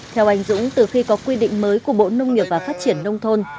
theo anh dũng từ khi có quy định mới của bộ nông nghiệp và phát triển nông thôn